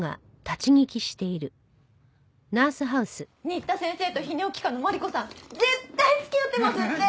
新田先生と泌尿器科のマリコさん絶対付き合ってますって！